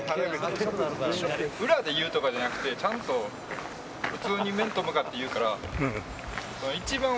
裏で言うとかじゃなくてちゃんと普通に面と向かって言うから。